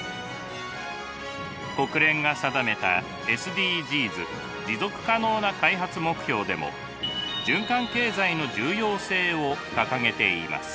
国連が定めたＳＤＧｓ持続可能な開発目標でも循環経済の重要性を掲げています。